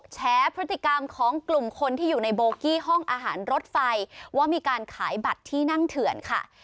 แชร์พฤติกรรมของกลุ่มคนที่อยู่ในโบกี้ห้องอาหารรถไฟว่ามีการขายบัตรที่นั่งเถื่อนค่ะ